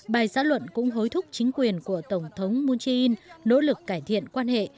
bài xã luận cũng hối thúc chính quyền của tổng thống moon jae in nỗ lực cải thiện quan hệ